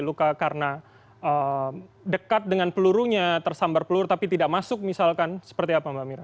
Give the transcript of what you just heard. luka karena dekat dengan pelurunya tersambar pelur tapi tidak masuk misalkan seperti apa mbak mira